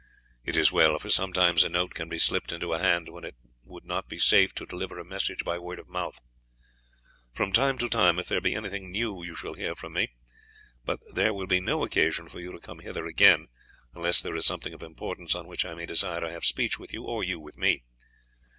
"It is well; for sometimes a note can be slipped into a hand when it would not be safe to deliver a message by word of mouth. From time to time if there be anything new you shall hear from me, but there will be no occasion for you to come hither again unless there is something of importance on which I may desire to have speech with you, or you with me.